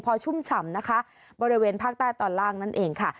พอชุ่มฉ่ำนะคะบริเวณภาคใต้ตอนล่างนั่นเองค่ะ